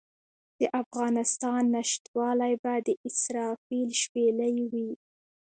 د افغانستان نشتوالی به د اسرافیل شپېلۍ وي.